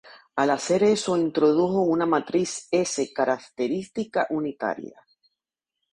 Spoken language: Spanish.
Al hacer eso introdujo una matriz S "característica" unitaria.